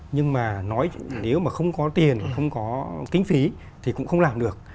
nhưng mà nói nếu mà không có tiền không có kinh phí thì cũng không làm được